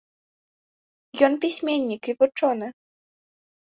Ён пісьменнік і вучоны.